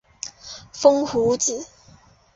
风胡子。